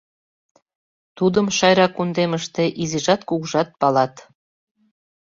Тудым Шайра кундемыште изижат-кугужат палат.